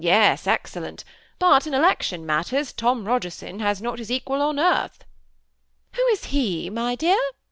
1, excellent ; but in election matters, Tom St^er not his equal on earth." o is he, my dear